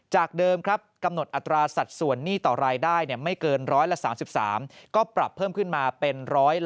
เดิมครับกำหนดอัตราสัดส่วนหนี้ต่อรายได้ไม่เกิน๑๓๓ก็ปรับเพิ่มขึ้นมาเป็น๑๐